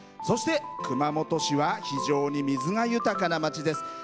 そして熊本市は非常に水が豊かな町です。